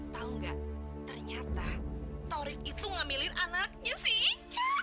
tau gak ternyata torik itu ngamilin anaknya si ica